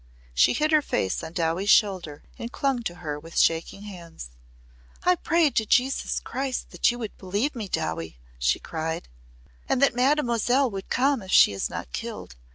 She hid her face on Dowie's shoulder and clung to her with shaking hands. "I prayed to Jesus Christ that you would believe me, Dowie!" she cried. "And that Mademoiselle would come if she is not killed.